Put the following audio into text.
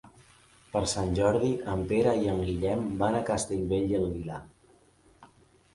Per Sant Jordi en Pere i en Guillem van a Castellbell i el Vilar.